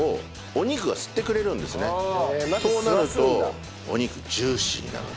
そうなるとお肉ジューシーになるんですよね。